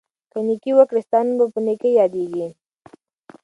که ته نېکي وکړې، ستا نوم به په نېکۍ یادیږي.